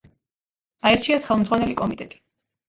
აირჩიეს ხელმძღვანელი კომიტეტი.